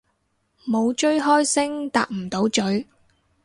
冇追開星搭唔到咀